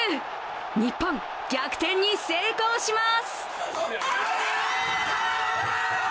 日本、逆転に成功します。